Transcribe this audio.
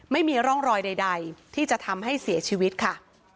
ไม่มีร่องรอยใดที่จะทำให้เสียชีวิตค่ะ